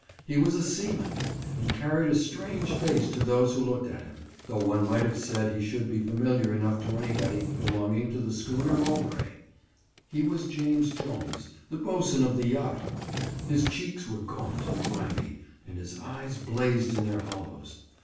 He was a seaman, and carried a strange face to those who looked at him, though one might have said he should be familiar enough to anybody belonging to the schooner Mowbray. He was James Jones, the boatswain of the yacht. His cheeks were gaunt and grimy, and his eyes blazed in their hollows.